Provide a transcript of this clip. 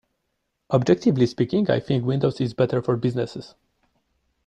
Objectively speaking, I think Windows is better for businesses.